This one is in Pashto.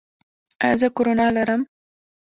ایا زه کرونا لرم؟